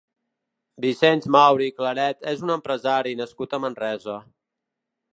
Vicenç Mauri i Claret és un empresari nascut a Manresa.